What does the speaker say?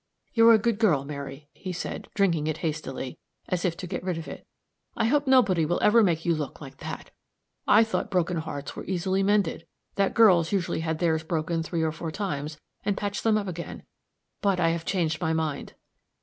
"You are a good girl, Mary," he said, drinking it hastily, as if to get rid of it. "I hope nobody will ever make you look like that! I thought broken hearts were easily mended that girls usually had theirs broken three or four times, and patched them up again but I have changed my mind."